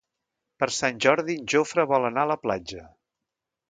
Per Sant Jordi en Jofre vol anar a la platja.